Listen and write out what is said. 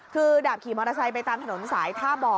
คือดาบขี่มอเตอร์ไซค์ไปตามถนนสายท่าบ่อ